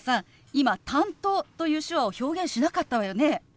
今「担当」という手話を表現しなかったわよね。